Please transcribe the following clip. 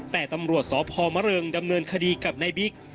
แต่ตำรวจสพมะเริงดำเนินคดีกับนายบิ๊ก